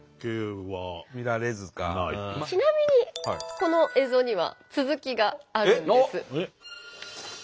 ちなみにこの映像には続きがあるんです。